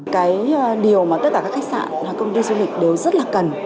cái điều mà tất cả các khách sạn công ty du lịch đều rất là cần